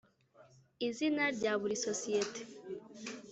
i izina rya buri sosiyete